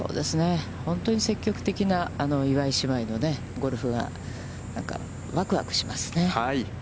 本当に積極的な岩井姉妹のゴルフが、わくわくしますね。